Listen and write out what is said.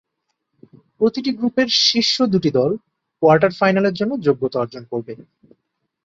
প্রতিটি গ্রুপের শীর্ষ দুটি দল কোয়ার্টার ফাইনালের জন্য যোগ্যতা অর্জন করবে।